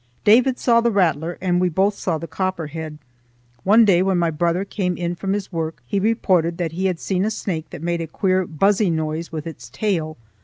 David saw the rattler, and we both saw the copperhead. One day, when my brother came in from his work, he reported that he had seen a snake that made a queer buzzy noise with its tail.